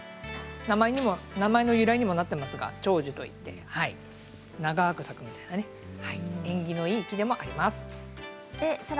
名前の由来にもなっていますが長寿といって長く咲くみたいなね縁起のいい木でもあります。